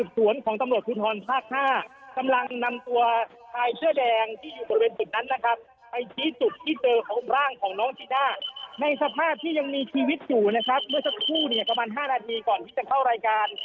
กลับมา๕นาทีก่อนที่จะเข้ารายการ